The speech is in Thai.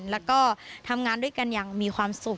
แล้วก็ทำงานด้วยกันอย่างมีความสุข